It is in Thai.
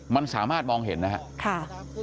มันสามารถมองเห็นนะครับ